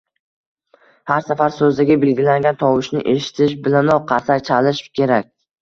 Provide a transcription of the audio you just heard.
har safar so‘zdagi belgilangan tovushni eshitishi bilanoq qarsak chalishi kerak.